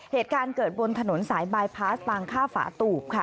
เหตุการณ์เกิดบนถนนสายบายพาสปางค่าฝาตูบค่ะ